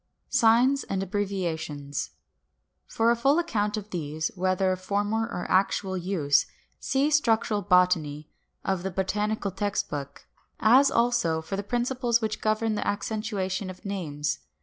§ 4. SIGNS AND ABBREVIATIONS. 576. For a full account of these, whether of former or actual use, see "Structural Botany" of the "Botanical Text Book," pp. 367, 392, as also for the principles which govern the accentuation of names.